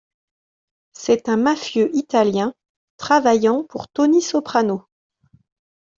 C'est un mafieux italien travaillant pour Tony Soprano.